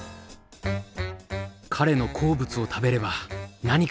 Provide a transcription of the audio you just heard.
彼の好物を食べれば何か分かるかも。